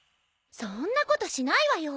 そんなことしないわよ。